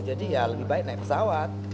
jadi ya lebih baik naik pesawat